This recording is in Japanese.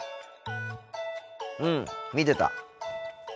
うん見てた。